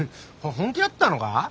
本気だったのか？